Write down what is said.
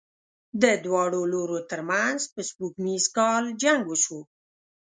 د دواړو لورو تر منځ په سپوږمیز کال جنګ وشو.